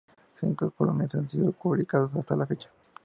Cinco volúmenes han sido publicados hasta la fecha.